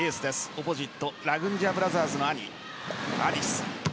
オポジットラグンジヤブラザーズの兄アディス。